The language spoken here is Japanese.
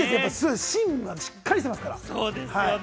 芯がしっかりしてますから。